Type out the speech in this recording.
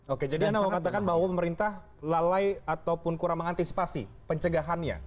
oke jadi anda mau katakan bahwa pemerintah lalai ataupun kurang mengantisipasi pencegahannya